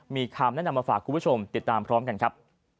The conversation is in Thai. มีคำแนะนำมาฝากคุณผู้ชมติดตามพร้อมกันครับ